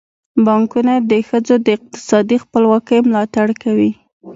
بانکونه د ښځو د اقتصادي خپلواکۍ ملاتړ کوي.